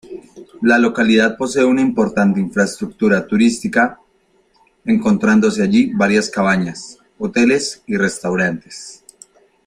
La localidad posee una importante infraestructura turística, encontrándose allí varias cabañas, hoteles y restaurantes.